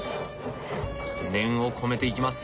念を込めていきます。